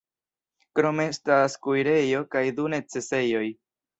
Krome estas kuirejo kaj du necesejoj.